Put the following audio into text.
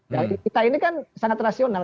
jadi kita ini kan sangat rasional